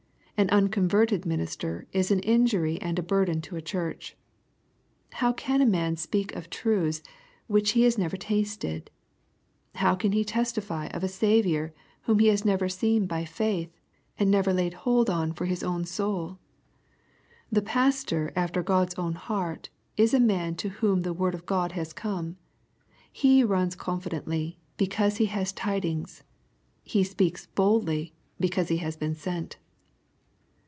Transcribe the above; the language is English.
An unconverted minister is an injury and burden to a church. How can a man speak of truths which he has never tasted ? How can he testify of a Saviour whom he has never seen by faith, and never laid hold on for his own soul ? The pastor after God's own heart, is a man to whom the word of God has come. He runs confidently, because he has tidings. He speaks boldly, because he has been sent.